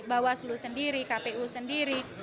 bawah seluruh sendiri kpu sendiri